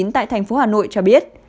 tại thành phố hà nội cho biết